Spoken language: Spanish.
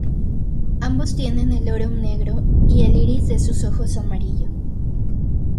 Ambos tienen el lorum negro y el iris de sus ojos amarillo.